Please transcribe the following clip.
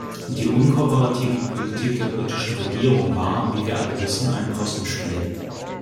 Die unkooperative Politik der britischen Regierung war, wie wir alle wissen, ein Possenspiel.